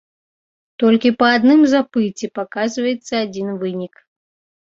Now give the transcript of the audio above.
Толькі па адным запыце паказваецца адзін вынік.